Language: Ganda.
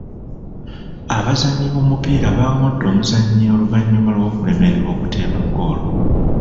Abawagiz b'omupiira baangoodde omuzannyi oluvannyuma lw'okulemererwa okuteeba ggoolo.